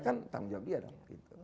kan tanggung jawab dia